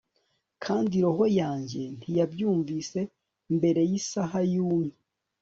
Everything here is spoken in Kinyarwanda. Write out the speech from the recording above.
kandi roho yanjye ntiyabyumvise mbere yisaha yumye